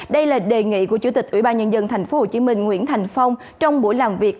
đây là đề nghị của chủ tịch ủy ban nhân dân tp hcm nguyễn thành phong trong buổi làm việc